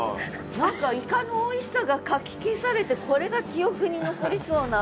何かイカのおいしさがかき消されてこれが記憶に残りそうな。